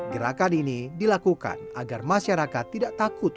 gerakan ini dilakukan agar masyarakat tidak takut